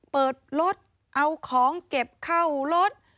เปิดรถเอาของเก็บเข้ารถ